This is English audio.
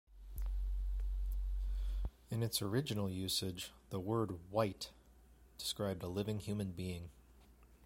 In its original usage the word "wight" described a living human being.